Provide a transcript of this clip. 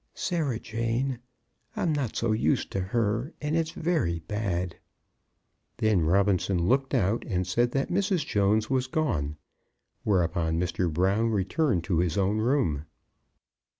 "Sarah Jane. I'm not so used to her, and it's very bad." Then Robinson looked out and said that Mrs. Jones was gone. Whereupon Mr. Brown returned to his own room.